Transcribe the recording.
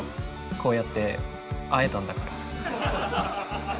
こうやって会えたんだから。